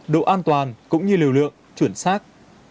độ an toàn cũng như liều lượng chuẩn xác